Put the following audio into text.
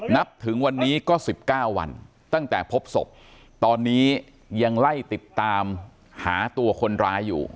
นับถึงวันนี้ก็๑๙วันตั้งแต่พบศพตอนนี้ยังไล่ติดตามหาตัวคนร้ายอยู่